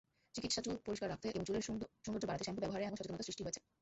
চিকিৎসাচুল পরিষ্কার রাখতে এবং চুলের সৌন্দর্য বাড়াতে শ্যাম্পু ব্যবহারে এখন সচেতনতা সৃষ্টি হয়েছে।